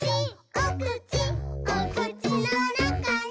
おくちおくちのなかに」